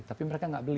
tapi mereka gak beli